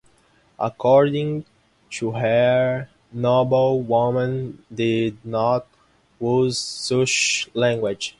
According to her, noble women did not use such language.